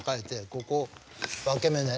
ここ分け目ね。